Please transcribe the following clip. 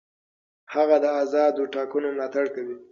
هغه د آزادو ټاکنو ملاتړ کوي.